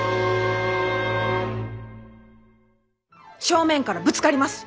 正面からぶつかります！